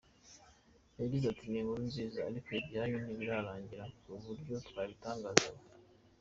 Yagize ati “Ni inkuru nziza ariko ibyacu ntibirarangira ku buryo twabitangaza ubu.